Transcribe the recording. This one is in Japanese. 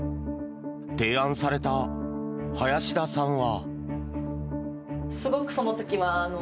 提案された林田さんは。